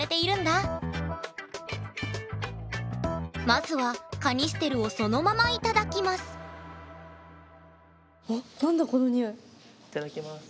まずはカニステルをそのままいただきますいただきます。